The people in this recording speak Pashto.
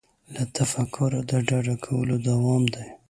له تفکره د ډډه کولو دوام دی.